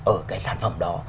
ở cái sản phẩm đó